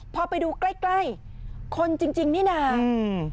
พอไปดูใกล้ใกล้คนจริงจริงนี่น่ะอืม